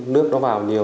nước nó vào nhiều